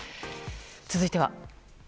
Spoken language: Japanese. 続いては。